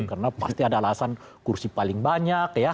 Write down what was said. karena pasti ada alasan kursi paling banyak ya